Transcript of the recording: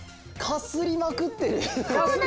かすりまくってる！